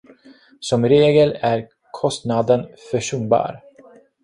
Som regel är kostnaden försumbar.